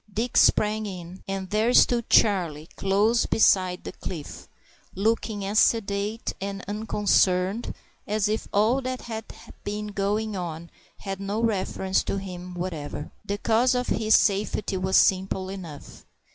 Dick sprang in, and there stood Charlie close beside the cliff, looking as sedate and, unconcerned as if all that had been going on had no reference to him whatever. The cause of his safety was simple enough.